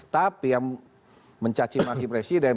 tapi yang mencacim lagi presiden